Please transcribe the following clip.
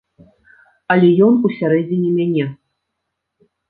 Але ён усярэдзіне мяне.